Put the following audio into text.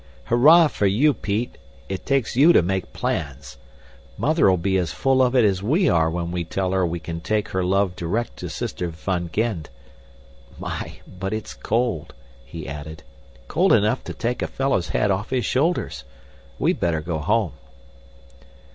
"Hurrah for you, Pete! It takes you to make plans! Mother'll be as full of it as we are when we tell her we can take her love direct to sister Van Gend. My, but it's cold," he added. "Cold enough to take a fellow's head off his shoulders. We'd better go home."